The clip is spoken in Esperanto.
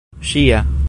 ŝia